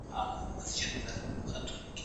د کار او سرمایې توازن مهم دی.